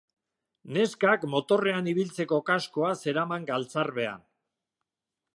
Neskak motorrean ibiltzeko kaskoa zeraman galtzarbean.